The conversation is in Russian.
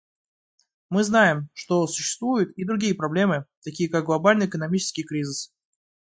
Мы знаем, что существуют и другие проблемы, такие как глобальный экономический кризис.